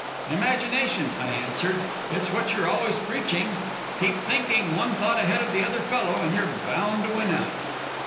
"Imagination," I answered. "It's what you're always preaching 'keep thinking one thought ahead of the other fellow, and you're bound to win out.'"